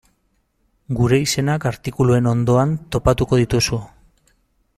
Gure izenak artikuluen ondoan topatuko dituzu.